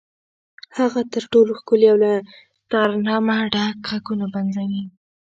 هغه تر ټولو ښکلي او له ترنمه ډک غږونه پنځوي.